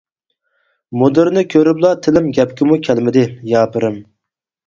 مۇدىرنى كۆرۈپلا تىلىم گەپكىمۇ كەلمىدى، ياپىرىم!